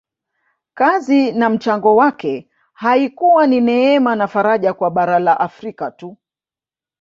Kazi na mchango wake haikuwa ni neema na faraja kwa bara la Afrika tu